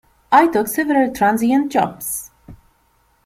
I took several transient jobs.